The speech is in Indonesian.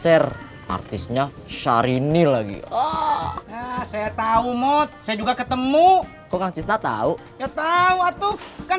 share artisnya syahrini lagi oh saya tahu mod saya juga ketemu kok kita tahu ya tahu atuh kan